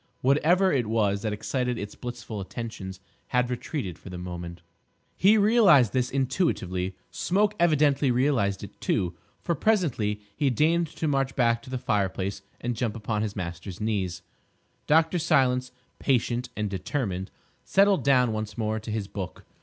Whatever it was that excited its blissful attentions had retreated for the moment. He realised this intuitively. Smoke evidently realised it, too, for presently he deigned to march back to the fireplace and jump upon his master's knees. Dr. Silence, patient and determined, settled down once more to his book.